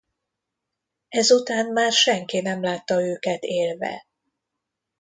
Ezután már senki nem látta őket élve.